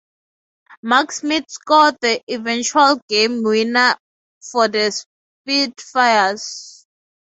Mark Smith scored the eventual game winner for the Spitfires.